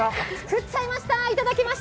作っちゃいました。